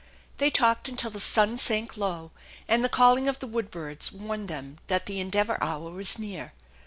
They talked until the sun sunk low, and the calling of the wood birds warned them that the Endeavor hour was near.